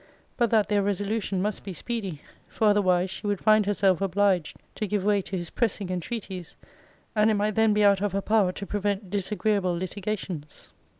But that their resolution must be speedy; for otherwise she would find herself obliged to give way to his pressing entreaties; and it might then be out of her power to prevent disagreeable litigations.